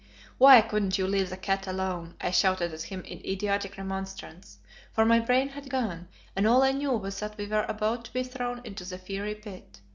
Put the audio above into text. "Why couldn't you leave the cat alone?" I shouted at him in idiotic remonstrance, for my brain had gone, and all I knew was that we were about to be thrown into the fiery pit.